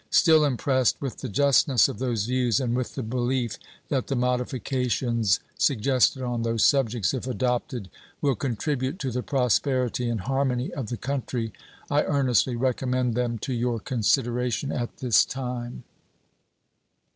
Still impressed with the justness of those views and with the belief that the modifications suggested on those subjects if adopted will contribute to the prosperity and harmony of the country, I earnestly recommend them to your consideration at this time.